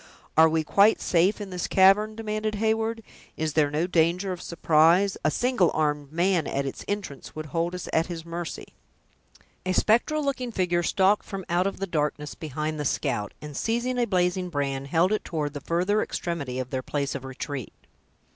"Are we quite safe in this cavern?" demanded Heyward. "Is there no danger of surprise? A single armed man, at its entrance, would hold us at his mercy." A spectral looking figure stalked from out of the darkness behind the scout, and seizing a blazing brand, held it toward the further extremity of their place of retreat.